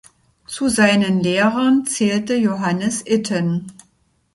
Zu seinen Lehrern zählte Johannes Itten.